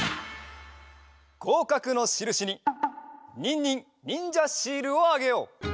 ごうかくのしるしにニンニンにんじゃシールをあげよう。